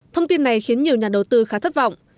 thông tin này khiến nhiều nhà đầu tư khá thất vọng